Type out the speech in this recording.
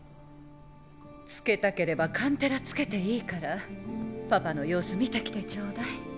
つけたければカンテラつけていいからパパの様子見てきてちょうだい。